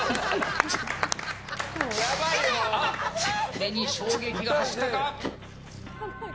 目に衝撃が走ったか。